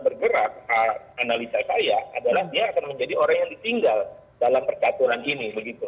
bergerak analisa saya adalah dia akan menjadi orang yang ditinggal dalam percaturan ini